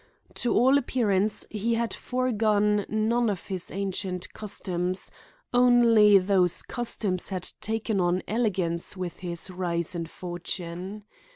To all appearance he had foregone none of his ancient customs; only those customs had taken on elegance with his rise in fortune.